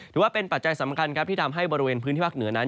ปัจจัยสำคัญครับที่ทำให้บริเวณพื้นที่ภาคเหนือนั้น